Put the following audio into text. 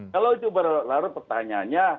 kalau itu berlarut pertanyaannya